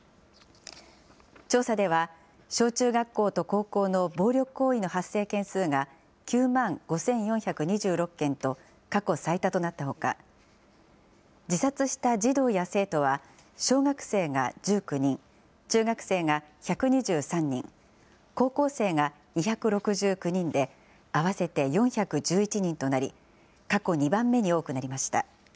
調査では、小中学校と高校の暴力行為の発生件数が９万５４２６件と過去最多となったほか、自殺した児童や生徒は、小学生が１９人、中学生が１２３人、高校生が２６９人で、合わせて４１１人となり、過去２番目に多くなりました。